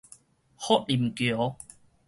福林橋